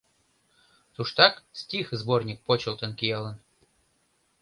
Туштак стих сборник почылтын киялын...